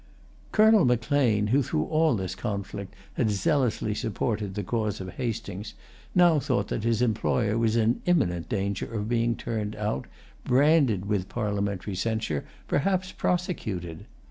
Colonel Macleane, who through all this conflict had zealously supported the cause of Hastings, now thought that his employer was in imminent danger of being turned out, branded with parliamentary censure, perhaps prosecuted.